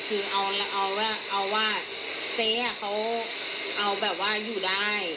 คือเอาว่าเจ๊เขาเอาแบบว่าอยู่ได้